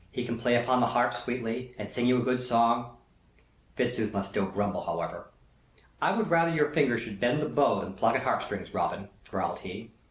He can play upon the harp sweetly, and sing you a good song " Fitzooth must still grumble, however. "I would rather your fingers should bend the bow than pluck at harp strings, Robin," growled he.